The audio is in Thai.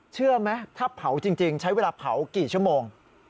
เชื่อไหมถ้าเผาจริงใช้เวลาเผากี่ชั่วโมง